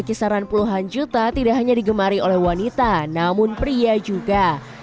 kisaran puluhan juta tidak hanya digemari oleh wanita namun pria juga